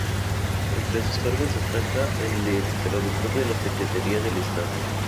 Entre sus cargos destaca el de traductor en la Secretaría de Estado